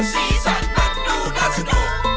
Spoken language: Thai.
สีสันมันดูน่าสนุก